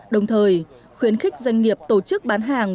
đồng thời khuyến khích doanh nghiệp tổ chức bán hàng